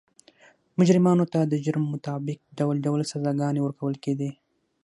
مجرمانو ته د جرم مطابق ډول ډول سزاګانې ورکول کېدې.